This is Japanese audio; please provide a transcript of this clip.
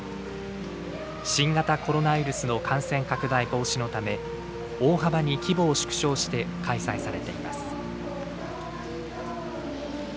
新型コロナウイルスの感染拡大防止のため大幅に規模を縮小して開催されています。